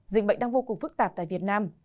dịch bệnh đang vô cùng phức tạp tại việt nam